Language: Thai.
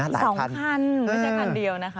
๒คันไม่ใช่คันเดียวนะครับ